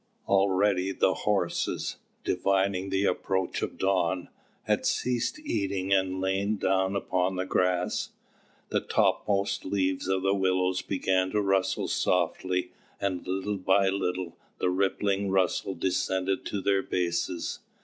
Already the horses, divining the approach of dawn, had ceased eating and lain down upon the grass; the topmost leaves of the willows began to rustle softly, and little by little the rippling rustle descended to their bases.